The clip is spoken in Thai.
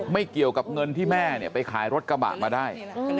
ไม่เกี่ยวกับเงินที่แม่ไปขายรถกระบะมาได้